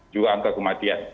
juga angka kematian